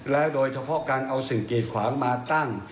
โดยเฉพาะการเอาสิ่งกีดขวางมาตั้ง